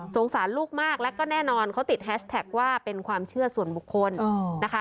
สารลูกมากแล้วก็แน่นอนเขาติดแฮชแท็กว่าเป็นความเชื่อส่วนบุคคลนะคะ